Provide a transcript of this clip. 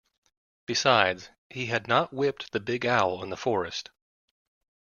Besides, had he not whipped the big owl in the forest.